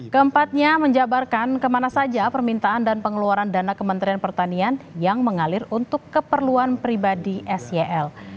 keempatnya menjabarkan kemana saja permintaan dan pengeluaran dana kementerian pertanian yang mengalir untuk keperluan pribadi sel